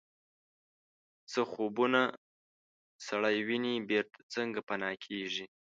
څه خوبونه سړی ویني بیرته څنګه پناه کیږي